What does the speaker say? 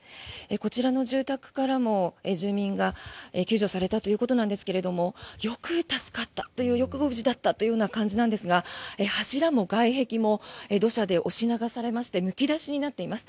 こちらの住宅からも住民が救助されたということですがよく助かったよく無事だったという感じだったんですが柱も外壁も土砂で押し流されましてむき出しになっています。